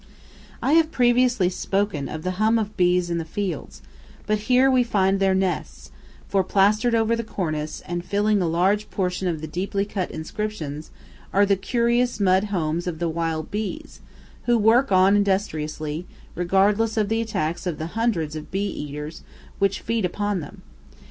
I have previously spoken of the hum of bees in the fields, but here we find their nests; for plastered over the cornice, and filling a large portion of the deeply cut inscriptions, are the curious mud homes of the wild bees, who work on industriously, regardless of the attacks of the hundreds of bee eaters which feed upon them.